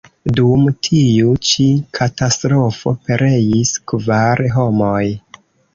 Dum tiu ĉi katastrofo pereis kvar homoj.